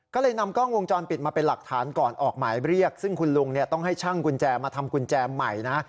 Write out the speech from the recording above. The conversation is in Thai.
ก็เลยนำกล้องวงจรปิดมาเป็นหลักฐานก่อนออกหมายเรียกซึ่งคุณลุงต้องให้ช่างกุญแจมาทำกุญแจใหม่นะ